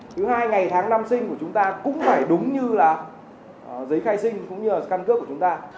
thứ hai ngày tháng năm sinh của chúng ta cũng phải đúng như là giấy khai sinh cũng như là căn cước của chúng ta